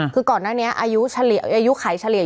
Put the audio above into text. คือก่อนตอนนี้อายุขายเฉลี่ย